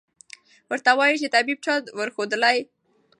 ورته راغی چي طبیب چا ورښودلی